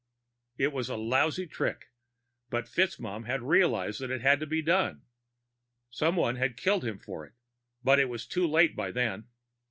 It was a lousy trick, but FitzMaugham had realized that it had to be done. Someone had killed him for it, but it was too late by then.